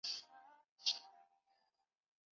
刘明利。